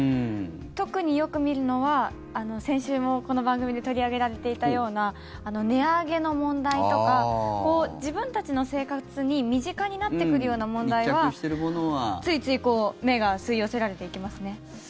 特によく見るのは先週もこの番組で取り上げられていたような値上げの問題とか自分たちの生活に身近になってくるような問題はついつい目が吸い寄せられていきますね。